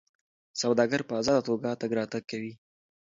سوداګر په ازاده توګه تګ راتګ کوي.